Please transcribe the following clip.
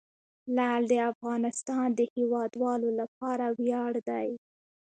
لعل د افغانستان د هیوادوالو لپاره ویاړ دی.